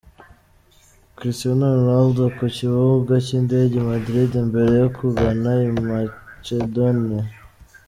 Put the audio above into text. Cristiano Ronaldo ku kibiuga cy'indege i Madrid mbere yo kugana i Macedonia.